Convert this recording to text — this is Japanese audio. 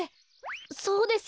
そうですよ。